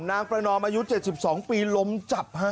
นางประนอมอายุ๗๒ปีล้มจับฮะ